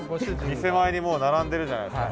店前にもう並んでるじゃないですか。